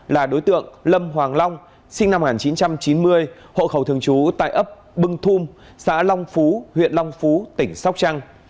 là đối tượng lâm hoàng long sinh năm một nghìn chín trăm chín mươi hộ khẩu thường trú tại ấp bưng thung xã long phú huyện long phú tỉnh sóc trăng